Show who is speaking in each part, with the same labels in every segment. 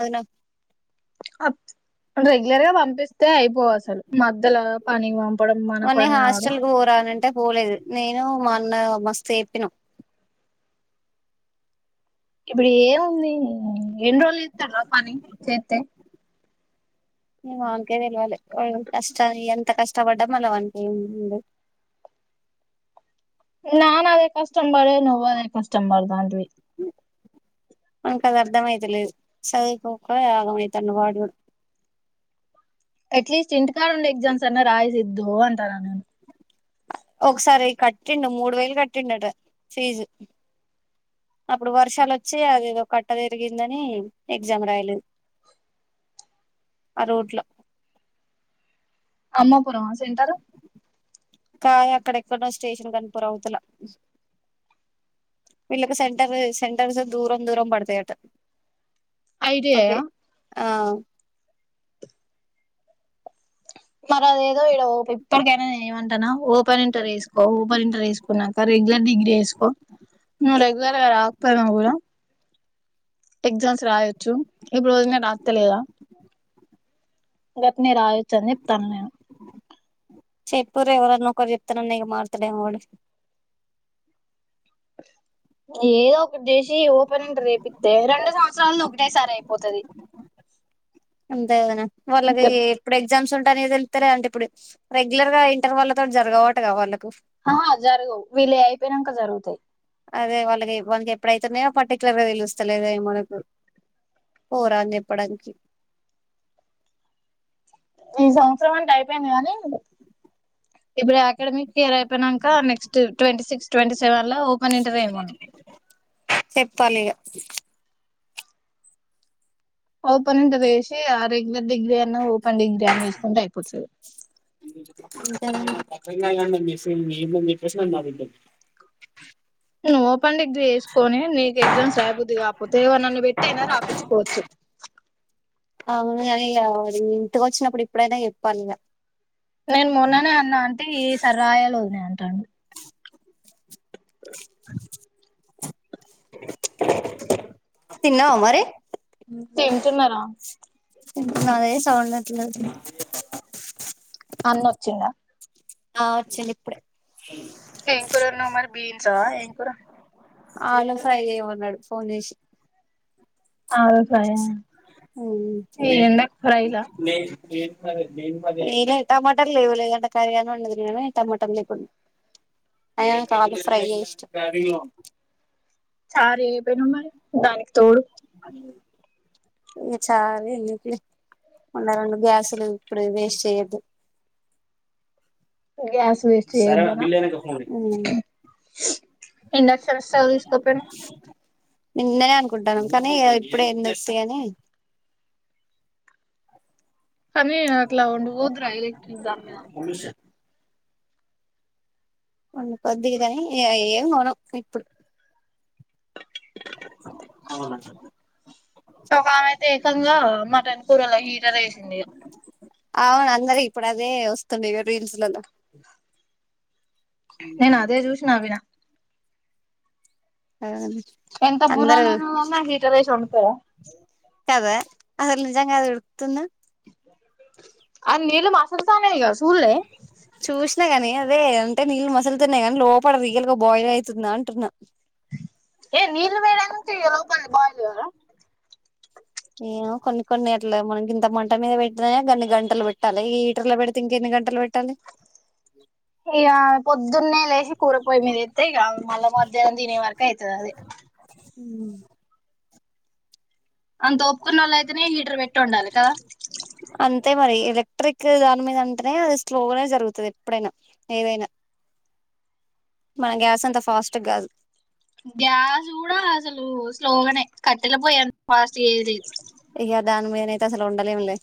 Speaker 1: అవునా
Speaker 2: అప్ రెగ్యులర్గా వన్ ఏస్తే అయిపోవు అసలు మధ్యల పనిక్ పంపడం మన పని అవడం.
Speaker 1: టా పోలేదు నేను మా అన్న మస్త్ ఎపినం
Speaker 2: ఇప్పుడు ఏవుంది ఎన్ని రోజులు ఇతడ్రా పని చేస్తే
Speaker 1: ఏవో అనకే తెల్వలే ఓ కష్ట ఎంత కష్టపడ్డా మళ్ళా వాన్ కేముండాద్.
Speaker 2: నాన్న అదే కష్టం బాడే నువ్వాదే కష్టం బడ్తాంటివి.
Speaker 1: వానికి అది అర్థమయితలేదు చదువుకోక ఆగం అయితాండు వాడుడ్
Speaker 2: అట్లీస్ట్ ఇంటికాడ ఉండి ఎగ్జామ్స్ అన్న రాయి సిద్ధు అంటానా నేన్
Speaker 1: ఒకసారి కట్టిండు. మూడు వేలు కట్టిండట ఫీజు అప్పుడు వర్షాలు వచ్చి అది ఏదో కట్ట వేరిగిందని ఎగ్జామ్ రాయలేద్. ఆ రుట్లో
Speaker 2: అమ్మ పూరమా సెంటరు.
Speaker 1: కాయ అక్కడెక్కడనో స్టేషన్ గన్న్పూర్ అవుతులా వీళ్ళకి సెంటర్ సెంటర్స్ దూరం దూరం బడ్తాయంట
Speaker 2: ఐడిఐ ఆ
Speaker 1: ఆ
Speaker 2: కారారేదో ఇడా ఒప్ ఇప్పటికైనా నేన్ ఏమంటానా, ఓపెన్ ఇంటర్ ఏసుకో, ఓపెన్ ఇంటర్ ఏసుకున్నాక. రెగ్యులర్ డిగ్రీ ఏసుకో నువ్వు రెగ్యులర్ గా రాకపోయినా గుడా ఎగ్జామ్స్ రాయొచ్చు, ఇప్పుడు వదిన రాస్తలేదా. గేట్నే రాయచ్చు అని జెప్తానా నేను
Speaker 1: చేపూరి ఎవరన్నా నొకరు జెప్తన్నానా ఇగా మార్తాడేమో వాడు.
Speaker 2: ఏదో ఒకటి జేసి ఓపెన్ ఇంటర్ ఏపితే రెండు సంవత్సరాలు ఒకటేసారి అయిపోతది.
Speaker 1: అంతే గానా వాళ్ళది ఎప్పుడే ఎగ్ జామ్స్ ఉంటా అనేది తెలుతాలే అంటా ఇప్పుడు, రెగ్యులర్గా ఇంటర్ వాళ్ళతో జరగవటగా వాళ్ళక్.
Speaker 2: ఆహా జరగవు, వీళ్ళై అయిపోయినాక జరుగుతాయ్.
Speaker 1: అదే వాళ్ళకి, వాళ్ళక్ ఎప్పుడైతున్నాయో పర్టిక్యులర్ గా తేలుస్తలేధై మనకు పోరాద్ నేపడన్చీప్
Speaker 2: ఈ సంవత్సరం అంత అయిపోయింది గానీ ఇప్పుడు అకాడమిక్ ఇయర్ అయిపోయినాక. నెక్స్ట్ ట్వంటీ సిక్స్, ట్వంటీ సెవెన్లా ఓపెన్ ఇంటర్ ఏయమను.
Speaker 1: తేప్పాలి ఇగా
Speaker 2: ఓపెన్ ఇంటర్ ఏశి, ఆ రెగ్యులర్ డిగ్రీ అన్న ఓపెన్ డిగ్రీ అన్న వేస్కుంటే అయిపోతది.
Speaker 1: మీర్ పక్కనున్న గానీ మెసేజెస్ ఏంది అని చెప్పేసి నవ్విండు.
Speaker 2: ఫన్ డిగ్రీ జేసుకొని, నీకు ఎగ్జామ్స్ రాయబుద్ది గాకపోతే, ఎవరినైనా పెటైనా రాపిచ్చుకోవచ్చు.
Speaker 1: అవును గానీ ఇగా మరి ఇంటికి వచ్చినప్పుడు ఇప్పుడైనా చెప్పాలి ఇగా.
Speaker 2: నేను మొన్ననే అన్నా, అంటే ఈసారి రాయలె వదిన అంటండు.
Speaker 1: తిన్నావా మరి
Speaker 2: హు తెంటున్నారా
Speaker 1: తింటున్నావ్ అదే సౌండ్ అట్లే అట్లు
Speaker 2: అన్నొచ్చిండా.
Speaker 1: ఆ వచ్చిండ్ ఇప్పుడే
Speaker 2: ఏ కూరోన్యావ్ మరి బీన్సా ఏం కూర
Speaker 1: ఆలు ఫ్రై జేయమన్నాడు ఫోన్ జేచి
Speaker 2: ఆలు ఫ్రై ఆ
Speaker 1: హుహ్
Speaker 2: ఈ
Speaker 1: ఏం
Speaker 2: ఎండకు ఫ్రైలా
Speaker 1: లేదు టమోటాలు లేవులే లేకుంటే కర్రీ అన్నా ఉండును గాని టమాటాలు లేకుంట్. అయినకు ఆలూ ఫ్రై ఇష్టం.
Speaker 2: చారు చేయపోయినవ్ మరి దానికి తోడు.
Speaker 1: ఇక చాలు ఎందుకులే ఉన్న రెండు గ్యాసులు ఇప్పుడు వేస్ట్ చేయద్దు.
Speaker 2: గ్యాస్ వేస్ట్ చేయొద్దన.
Speaker 1: మ్మ్
Speaker 2: ఇండక్షన్స్ స్టవ్ తీసుకో పోయినవ్.
Speaker 1: నిన్ననే అనుకుంటానం కానీ ఇప్పుడే ఎందుకు తీయి అని.
Speaker 2: అవి అట్లా నువ్ ట్రై చేయి ఎలక్ట్రిక్ దానిమీద.
Speaker 1: మ కొద్దిగాని ఏం గోనం ఇప్పుడు. అవునా.
Speaker 2: ఒక ఆమె అయితే ఏకంగా మటన్ కూరల హీటర్ వేసింది ఇగ.
Speaker 1: అవును అందరి ఇప్పుడు అదే వస్తుంది ఈగ రింగ్స్ లల్లా.
Speaker 2: నేను అదే చూసి నవీన.
Speaker 1: ఔను
Speaker 2: ఎంత బుర్ర
Speaker 1: అందరు
Speaker 2: లేనోళ్ళన్నా హీటర్ వేసి వండుతారా
Speaker 1: కదా అసలు. అర్థం కాదు ఉడుకుతున్న.
Speaker 2: ఆ నీళ్లు మసులుతానై గా సులే.
Speaker 1: అంతే కాని అదే అంటే నీళ్ళు మసులుతున్నాయిగాని లోపడ రియల్గా బాయిల్ అవుతుందా అంటున్నా.
Speaker 2: ఏ నీల్ వేడయినంక ఇగా లోపల్ బాయిల్ కావా.
Speaker 1: ఏవో కొన్ని కొన్ని అట్ల మనకి ఇంత మంట మీద పెట్టినా అన్ని గంటలు పెట్టాలె ఈ హీటర్ లో పెడితే ఇంకెన్ని గంటలు పెట్ట.
Speaker 2: ఇగ పొద్దున్న లేసి కూర పోయి ఏత్తే ఇగ. మళ్ల మధ్యాహ్నం తినే వరకు అయితది అది.
Speaker 1: ఉ
Speaker 2: అంత ఓపుకున్న వాళ్ళు అయితేనే హీటర్ పెట్టి ఉండాలి కదా
Speaker 1: అంతే మరి ఎలా క్ట్రిక్ దాని మీద అంటేనే అది స్లోగనే జరుగుతది ఎప్పుడైనా ఏదైనా. మన గ్యాస్ అంత ఫాస్ట్ గాదు.
Speaker 2: గ్యాస్ కూడా అసలు స్లోగానే కట్టెల పోయంత ఫాస్ట్. పేరడ్స్.
Speaker 1: ఇక దాని మీదనయితే అసలు ఉండలేములే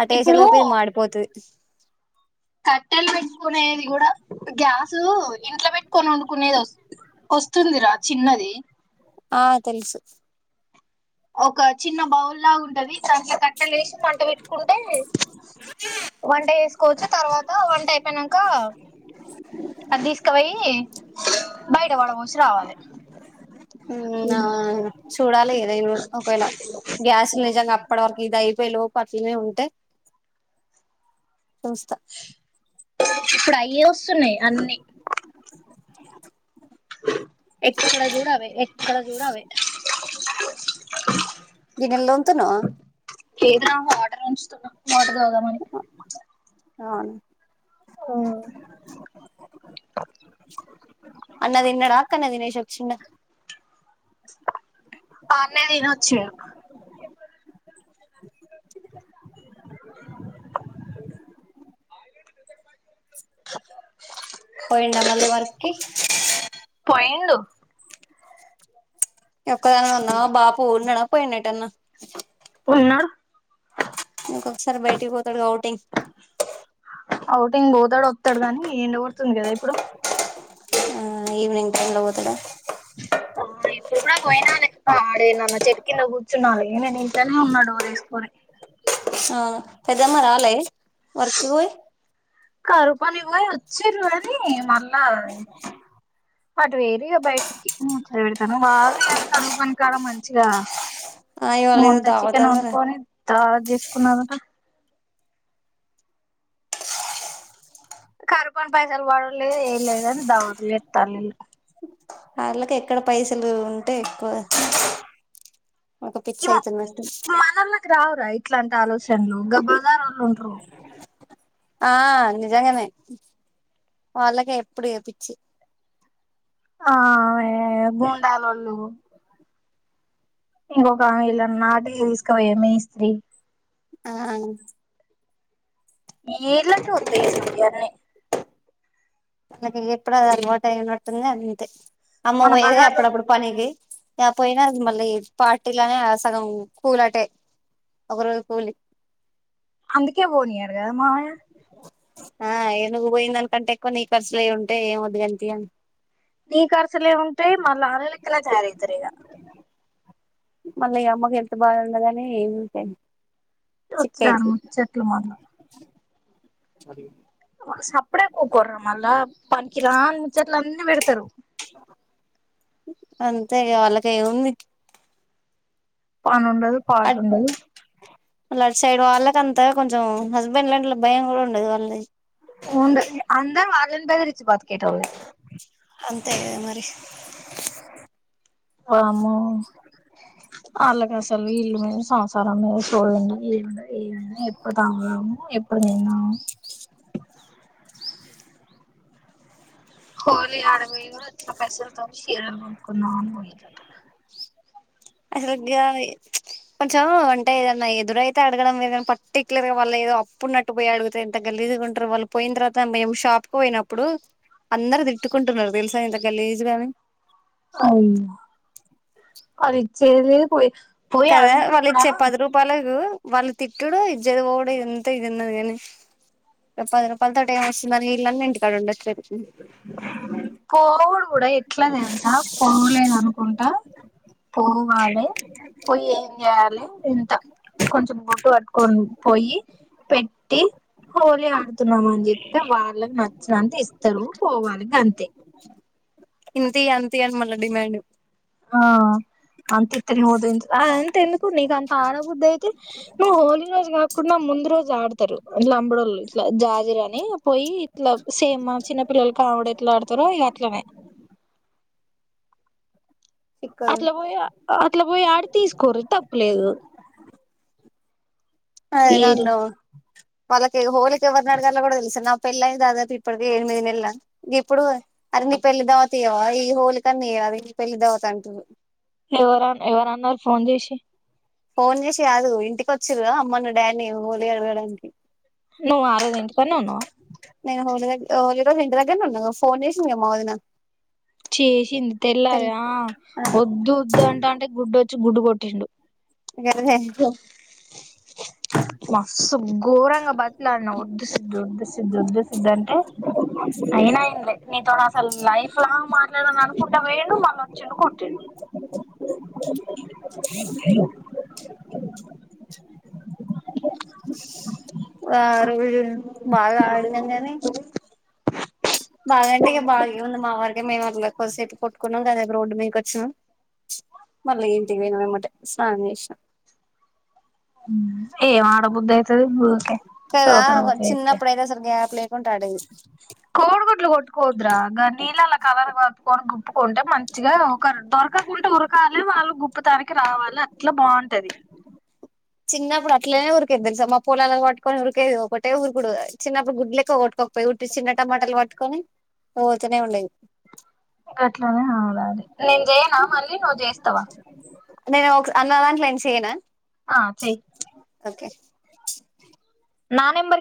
Speaker 1: ఆ టేష
Speaker 2: ఇప్పుడు
Speaker 1: లోపే ఇది మాడిపోతది.
Speaker 2: కట్టెలు పెట్టుకునేది కూడ. గ్యాసు ఇంట్లో పెట్టుకొనోండుకునేది వస్త్ వస్తుందిరా చిన్నది.
Speaker 1: ఆ తెలుసు.
Speaker 2: ఒక చిన్న బౌల్ లాగ ఉంటది. సంత కట్టలు వేసి మంట పెట్టుకుంటే వంట చేసుక్. కూర్చు తర్వాత వంట అయిపోయినంక. అది తీసుకుపోయి బయట పడవోసి రావాలే.
Speaker 1: అవునా చూడాలి ఏదైనా ఒకవేళ గ్యాస్ నిజంగా అప్పటి వరకు ఇదయి. ఇ లోపు అట్లనే ఉంటే.
Speaker 2: ఇప్పుడు అయే వస్తున్నాయి అన్ని. ఎక్కడ జూడు అవే ఎక్కడ జూడు అవే.
Speaker 1: గిన్నెలు తొంతున్నావా.
Speaker 2: లేదురా వాటర్ వంచుతున్నా వాటర్ తాగుదామని.
Speaker 1: అవును.
Speaker 2: ఆ.
Speaker 1: అన్న తిన్నాడ అక్కడనే తినేశి ఒచ్చిండ.
Speaker 2: అన్నే తిని ఒచ్చిండు.
Speaker 1: పోయిండా మళ్ళీ వర్క్ కి.
Speaker 2: పెయిండు
Speaker 1: ఒక్కదనివే ఉన్నావా బాపూ ఉన్నాడ పోయిండా ఏటన్నా
Speaker 2: ఉన్నాడు
Speaker 1: ఇంకొకసారి బయటికి పోతాడుగా ఔటింగ్
Speaker 2: ఔటింగ్ పోతడు ఒత్తడు గానీ ఎండ గోడుతుంది కదా ఇప్పుడు
Speaker 1: ఆ ఈవనింగ్ టైమ్ ల వోతడా
Speaker 2: ఆ ఇప్పుడు కూడా పోయిన ఆడేనన్న చెట్టు కింద కూర్చున్నాలి నేను ఇంట్లోనే ఉన్నా డోరేసుకొని
Speaker 1: ఆ పెద్దమ్మ రాలే వర్క్ కు వోయి
Speaker 2: కరువు పనికి పోయి ఒచ్చిరు కానీ మళ్ళా వెయ్యిరు ఇగ బయటికి ముచ్చట వేడుతళ్ళు వాళ్ళు ఇగ కరువ్ పని కాడ మంచిగా
Speaker 1: ఆ ఇవాళ ఏదో
Speaker 2: ముంత
Speaker 1: దావత్
Speaker 2: చికెన్
Speaker 1: అన్నారు
Speaker 2: వండుకొని దావత్ చేసుకున్నారటా కరువ్ పని పైసాలు పడుడులేదు ఏంలేద్ గని దవతుల్ ఏత్తలుఇల్లు
Speaker 1: వాళ్ళకి ఎక్కడ పైసలు ఉంటే ఎక్కువ పిచ్చి
Speaker 2: ఏమో
Speaker 1: అయితున్నటుంది
Speaker 2: మనోళ్ళకి రావురా ఇట్లాంటి ఆలోచనలు గ బజారోళ్ళు ఉంటరు
Speaker 1: ఆ నిజంగనే వాళ్ళకే ఎప్పుడు ఇగ పిచ్చి
Speaker 2: ఆ ఏ బొండల్లోలు ఇంకొకామె ఇళ్ళనీనాటేయ్య తీసుకపోయే మేస్త్రీ
Speaker 1: ఆ
Speaker 2: ఇళ్లకే ఒత్తయి ఇసొంటీయన్ని
Speaker 1: మనకి ఎప్పుడది అలవాటు అయినట్టుంది అంతే అమ్మ
Speaker 2: మన
Speaker 1: పోయేది
Speaker 2: బజార్లో
Speaker 1: అప్పుడప్పుడు పనికి ఇగ పోయినా మళ్ళీ పార్టీలానే సగం కూల్ అటే ఒకరోజు కూలీ
Speaker 2: అందుకే పోనీయారుగదా మావయ్య
Speaker 1: ఆ ఏ నువ్ పోయిందని కంటే ఎక్కువ నీ కర్సులే ఉంటాయి ఏం ఒద్దు గాని తీయి
Speaker 2: నీ కర్సలే ఉంటాయి మాళ్ అల్లలెక్కన తయారయితారు ఇగ
Speaker 1: మళ్ళీ అమ్మ కి హెల్త్ బాలేదని అంతే చిప్పేట్
Speaker 2: ఉత్తరాని ముచ్చట్లు మళ్ళా
Speaker 1: అది
Speaker 2: సప్పుడే ఉక్కోరూరా మళ్ళా పనికి రాని ముచ్చట్లన్నీ పెడతారు అ
Speaker 1: అంతే ఇగ వాళ్ళకు ఏముంది
Speaker 2: పని ఉండదు పాటుండదు
Speaker 1: వాళ్ళ అటు సైడ్ వాళ్ళకి అంతా కొంచెం హస్బెండ్ లాంటి భయం కూడా ఉండదు వాళ్ళది
Speaker 2: ఉండు అందరు వాళ్ళని బెదిరిచ్చి బతికేటోల్లే
Speaker 1: అంతే కదా మరి
Speaker 2: వామ్మో అల్లాకసల్ విళ్ళు సంసారం మీద సొయి ఉండదు ఏం ఉండదు ఏమైనా ఎప్పుడు తాగుదాము ఎప్పుడు తిందాము [inaudible] హోలీ ఆడవోయీ కూడా వచ్చిన పైసలు తోనీ శీరలు కోనుకుందామని పోయింరటా
Speaker 1: [unintelligible] గావే [unintelligible] కొంచెం అంటే ఏదన్నా ఎదురైతే అడగడం వేర్గని పర్టికులర్ గా వాళ్ళ ఏదో అప్పు ఉనట్టు పోయి అడిగితే ఎంత గలి జిసుకుటారు వాళ్ళు పోయిన తర్వాత మేము షాప్ కు పోయినప్పుడు అందరు తిట్టుకుంటున్నారు తెలుసా ఏంత గలీజ్ గా అని
Speaker 2: అయి అది ఇచ్చేదిలేద్ పోయి పోయి
Speaker 1: కదా
Speaker 2: అడుగుడు
Speaker 1: వాళ్ళు
Speaker 2: కూడా
Speaker 1: ఇచ్చే పది రూపాలకు వాళ్ళ తిట్టుడు ఇజ్జత్పోవుడు ఎంత ఇదున్నది కాని పది రూపాలతో ఎంవస్తుంది అని ఇళ్లన్న ఇంటికాడ ఉండట్లేద్
Speaker 2: పోవుడు గుడ ఎట్ల తెలుసా, పోవులేదు అనుకుంటా పోవాలె పోయి ఏం చేయాలే ఇంత కొంచెం గుడ్డు పట్టు కొను పొయ్యి పెట్టి హోలీ ఆడుతున్నాం అని జెప్తే, వాళ్ళకి నచ్చినంత ఇస్తరు పోవాలె గంతే.
Speaker 1: ఇంతి అంతి అని మళ్ళ డిమాండ్
Speaker 2: ఆ అంత ఇత్తేనే నోదుంత, ఆ అంత ఎందుకు నీకు అంత ఆడబుద్ధి అయితే హోలీ రోజు కాకుండా ముందు రోజు ఆడతరు, లంబడోళ్ళు ఇట్ల జాజిరని పోయి ఇట్ల సేమ్ మా చిన్న పిల్లలు కాముడు ఎట్ల ఆడతరో ఇగ అట్లనే.
Speaker 1: చిక్కది
Speaker 2: అట్ల పోయ అట్ల పోయి ఆడు తీసుకోరు తప్పులేదు.
Speaker 1: అయి
Speaker 2: ఏరు
Speaker 1: నన్ను వాళ్ళకి హోలికి ఎవరినడగాల్లో కూడా తెలుసు, నా పెళ్లై దాదాపు ఇప్పటికి ఎనిమిది నెలల గిప్పుడు నీ పెళ్లి దావత్ ఇయ్యవ, ఈ హోలి కన్న ఇయ్యరాదు నీ పెళ్లి దావత్ అంటుర్రు.
Speaker 2: ఎవర ఎవరన్నరు ఫోన్ జేశి?
Speaker 1: ఫోన్ చేసి కాదు ఇంటికి వచ్చిర్రూగా మొన్న డాడిని హోలీ అడగడానికి.
Speaker 2: నువ్ ఆ రోజు ఇంటి కన్నె ఉన్నవా?
Speaker 1: నేను హోలీ దగ హోలీ రోజు ఇంటి దగ్గరనే ఉన్నగ, ఫోన్ చేసేందిగా మా వదిన
Speaker 2: చేసింది తెల్లార
Speaker 1: తెల్
Speaker 2: ఆ, వద్దు వద్దు అంట అంటే గుడ్డో చి గుడ్డు కొట్టిండు.
Speaker 1: గేదె
Speaker 2: [inaudible] మస్తు ఘోరంగా బతిమిలాడిన, ఒద్దు సిద్దు, ఒద్దు సిద్దు, ఒద్దు సిద్దు అంటే అయిన ఇనలే, నీతోనసలు లైఫ్ లాంగ్ మాట్లాడను అనుకుంటా పోయిండు మళ్ళ అచ్చిండు కొట్టిండు.
Speaker 1: హ [inaudible] ఆ రోజు బాగా ఆడినం గని బాగంటే ఇగ బాగా ఏముంది, మా వరికే మేమే అట్ల కొద్దిసేపు కొట్టుకున్నాం గదే రోడ్డు మీకచ్చిన మళ్ళీ ఇగ ఇంటికి పోయినం ఎమ్మటే స్నానం చేసినం.
Speaker 2: ఉమ్ ఏం ఆడబుద్ధి అయితది ఊకె, రోత రోత చేత్తే.
Speaker 1: కుంటాడింది.
Speaker 2: కోడి గుట్లు కొట్టుకోవద్దురా, గా నీలల్లా కలర్ బ వోన్ గొప్పుకుంటే మంచిగా ఒక దొరకకుంటే ఉరకాలె, వాళ్ళు గుప్పతానికి రావాలి అట్ల బాగుం టది
Speaker 1: చిన్నప్పుడు అట్లేనే ఉరికేది తెలుసా మా పొలాలను పట్టుకొట్టుకొని ఉరికేది, ఒకటే ఉరుకుడు చిన్నప్పుడు గుడ్లు ఎక్కువ కొట్టుకో పోయ్ ఉట్టి చిన్న టమాటాలు పట్టుకొని పోతూనే ఉండేది.
Speaker 2: గట్లనే ఆడాలె,
Speaker 1: నేను ఒక స అన్న దాంట్లో నుంచి చేయనా?
Speaker 2: ఆ చెయ్
Speaker 1: ఒకే
Speaker 2: నా నెంబర్కి